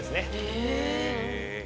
へえ。